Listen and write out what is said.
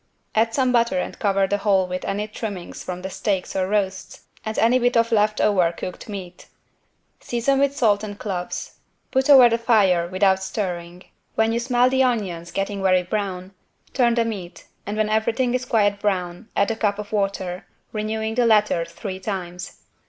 Add some butter and cover the whole with any trimmings from steaks or roasts and any bit of left over cooked meat. Season with salt and cloves. Put over the fire without stirring. When you smell the onions getting very brown, turn the meat and when everything is quite brown add a cup of water, renewing the latter three times.